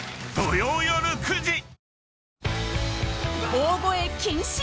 ［大声禁止！